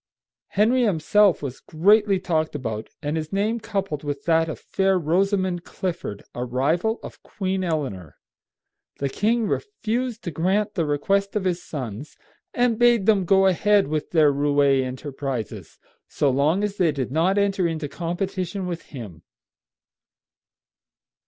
Henry himself was greatly talked about, and his name coupled with that of fair Rosamond Clifford, a rival of Queen Eleanor. The king refused to grant the request of his sons, and bade them go ahead with their roué enterprises so long as they did not enter into competition with him.